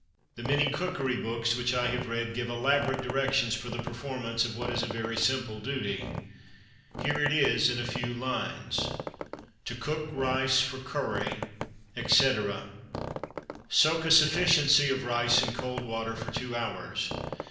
The many cookery books which I have read give elaborate directions for the performance, of what is a very simple duty. Here it is, in a few lines To cook Rice for Curry, etc. Soak a sufficiency of rice in cold water for two hours.